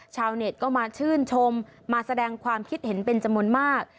ชาวเน็ตก็มาชื่นชมมาแสดงความคิดเห็นเป็นจำนวนมาก